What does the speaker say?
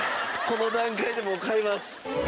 この段階でもう買います。